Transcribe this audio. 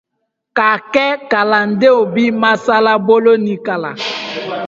K'a kɛ kalandenw bi masalabolo nin kalan